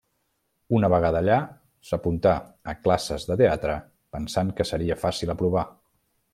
Una vegada allà, s'apuntà, a classes de teatre pensant que seria fàcil aprovar.